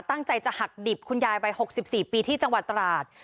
ตั้งใจจะหักดิบคุณยายวัย๖๔ปีที่จังหวัดตราด